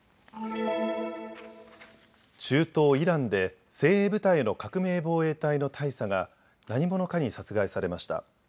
中東イランで精鋭部隊の革命防衛隊の大佐が何者かに殺害されました。